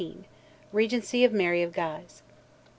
REGENCY OF MARY OF GUISE.